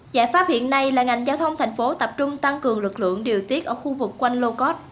giải pháp hiện nay là ngành giao thông thành phố tập trung tăng cường lực lượng điều tiết ở khu vực quanh lô cót